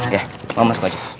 ya mama masuk aja